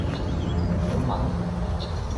好炆？